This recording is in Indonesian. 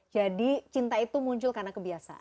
jadi cinta itu muncul karena kebiasaan